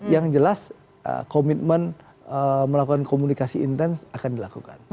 yang jelas komitmen melakukan komunikasi intens akan dilakukan